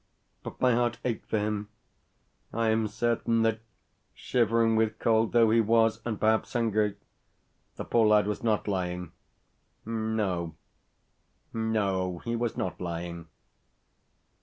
But my heart ached for him. I am certain that, shivering with cold though he was, and perhaps hungry, the poor lad was not lying. No, no, he was not lying.